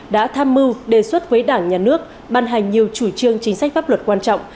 đã tham mưu đề xuất với đảng nhà nước ban hành nhiều chủ trương chính sách pháp luật quan trọng